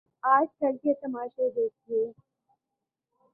آج کل کے تماشے دیکھیے۔